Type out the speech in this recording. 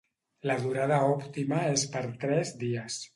La durada òptima és per tres dies.